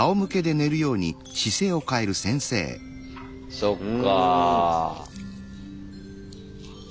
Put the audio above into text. そっか。